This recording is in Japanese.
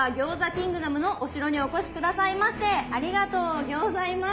キングダムのお城にお越し下さいましてありがとうギョーザいます。